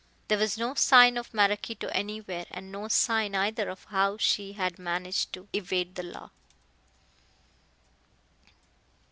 There was no sign of Maraquito anywhere, and no sign, either, of how she had managed to evade the law.